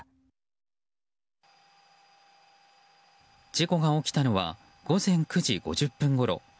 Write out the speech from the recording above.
事故が起きたのは午前９時５０分ごろ。